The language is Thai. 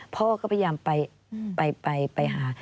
พ่อก็พยายามไปไปไปไปหา